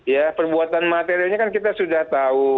ya perbuatan materialnya kan kita sudah tahu